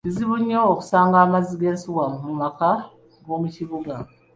Kizibu nnyo okusanga amazzi g’ensuwa mu maka g’omu kibuga.